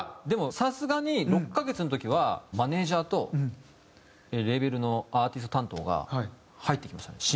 でもさすがに６カ月の時はマネジャーとレーベルのアーティスト担当が入ってきましたね